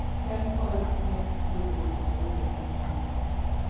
Ken Follett's next project is already underway.